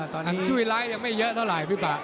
จุ้ยร้ายยังไม่เยอะเท่าไหร่พี่ป่า